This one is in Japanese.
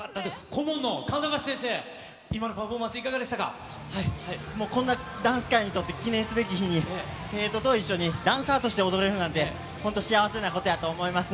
顧問の神田橋先生、今のパフもうこんなダンス界にとって記念すべき日に、生徒と一緒にダンサーとして踊れるなんて、本当、幸せなことやと思います。